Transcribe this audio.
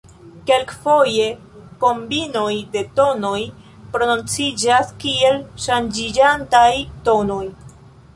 Kelkfoje kombinoj de tonoj prononciĝas kiel ŝanĝiĝantaj tonoj.